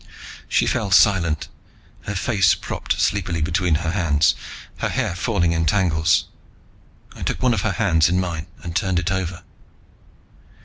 She fell silent, her face propped sleepily between her hands, her hair falling in tangles. I took one of her hands in mine and turned it over.